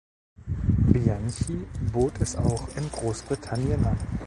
Bianchi bot es auch in Großbritannien an.